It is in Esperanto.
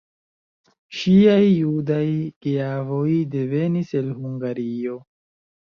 Ŝiaj judaj geavoj devenis el Hungario.